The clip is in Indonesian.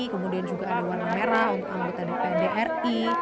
kemudian juga ada warna merah untuk anggota dprd ri